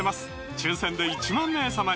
抽選で１万名様に！